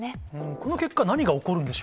この結果、何が起こるんでし